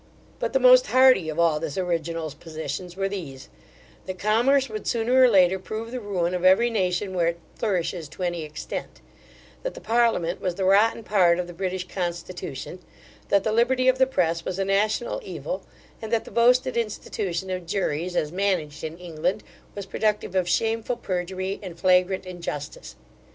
But the most hardy of all this original's positions were these: That commerce would, sooner or later, prove the ruin of every nation, where it flourishes to any extent that the parliament was the rotten part of the British constitution that the liberty of the press was a national evil and that the boasted institution of juries, as managed in England, was productive of shameful perjury and flagrant injustice.